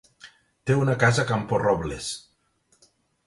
Té una casa a Camporrobles.